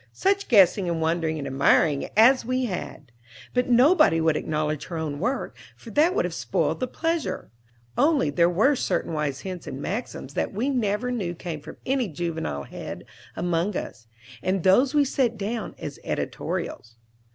Such guessing and wondering and admiring as we had! But nobody would acknowledge her own work, for that would have spoiled the pleasure. Only there were certain wise hints and maxims that we knew never came from any juvenile head among us, and those we set down as "editorials."